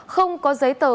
không có giấy tờ